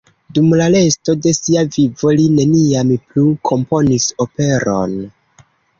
Dum la resto de sia vivo li neniam plu komponis operon.